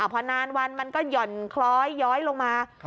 พอนานวันมันก็หย่อนคล้อยย้อยลงมา